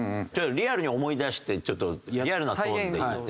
リアルに思い出してちょっとリアルなトーンで言って。